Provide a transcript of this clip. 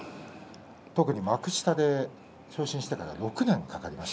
特に幕下で昇進してから６年かかりました。